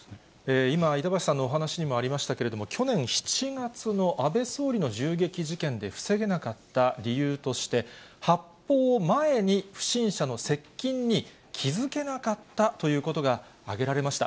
今、板橋さんのお話にもありましたけれども、去年７月の安倍総理の銃撃事件で防げなかった理由として、発砲前に不審者の接近に気付けなかったということが挙げられました。